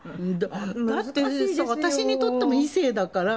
だって私にとっても異性だからやっぱりね。